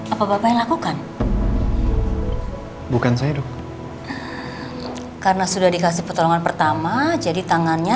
apa bapak yang lakukan bukan saya dok karena sudah dikasih pertolongan pertama jadi tangannya